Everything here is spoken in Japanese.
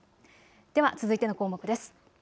では続いての項目です。